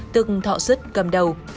tương thọ sứt cầm đầu